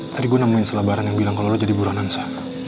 tadi gue nemuin selabaran yang bilang kalau lo jadi buruanan sa